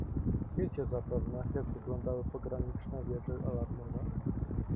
"Wiecie zapewne, jak wyglądały pograniczne wieże alarmowe?"